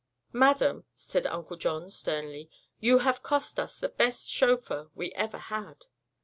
"Madam," said Uncle John, sternly, "you have cost us the best chauffeur we ever had."